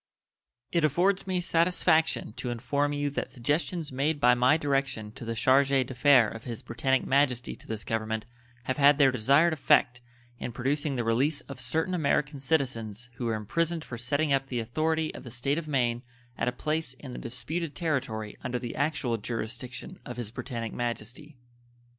It affords me satisfaction to inform you that suggestions made by my direction to the charge d'affaires of His Britannic Majesty to this Government have had their desired effect in producing the release of certain American citizens who were imprisoned for setting up the authority of the State of Maine at a place in the disputed territory under the actual jurisdiction of His Britannic Majesty.